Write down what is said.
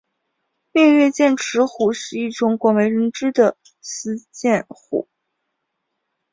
命运剑齿虎是一种广为人知的斯剑虎。